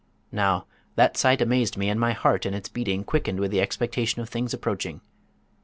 Now, that sight amazed me, and my heart in its beating quickened with the expectation of things approaching.